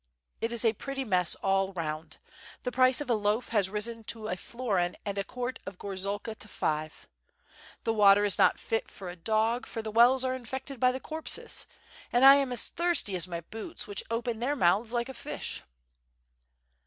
It is a pretty mess all round; the price of a loaf has risen to a florin and a quart of gorzalka to five. The water is not fit for a dog, for the wells are infected by the corpses, and I am as thirsty as my boots, which open their mouths like a fish."